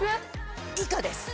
以下です。